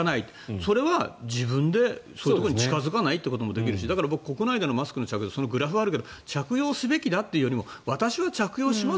それは自分でそういうところに近付かないこともできるしだから国内でのマスクの着用グラフあるけど着用すべきだってよりも私は着用します